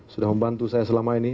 sudah membantu saya selama ini